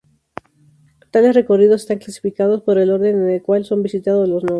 Tales recorridos están clasificados por el orden en el cual son visitados los nodos.